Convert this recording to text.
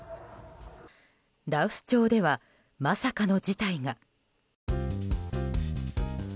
羅臼町では、まさかの事態が。